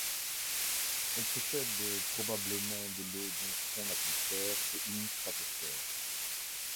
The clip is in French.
Elle possède probablement de l'eau dans son atmosphère et une stratosphère.